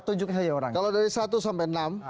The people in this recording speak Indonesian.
tunjukkan saja orangnya kalau dari satu sampai enam